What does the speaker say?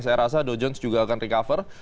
saya rasa do jones juga akan recover